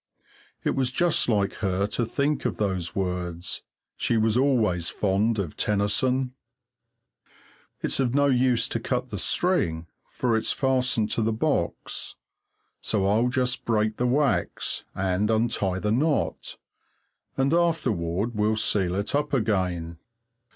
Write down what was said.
It was just like her to think of those words she was always fond of Tennyson. It's of no use to cut the string, for it's fastened to the box, so I'll just break the wax and untie the knot, and afterward we'll seal it up again.